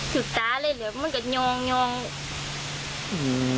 ถือกตาเลยเหรอมันก็นยองนยองอืม